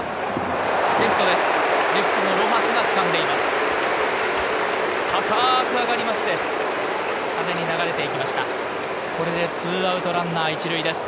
レフトのロハスがつかんでいます。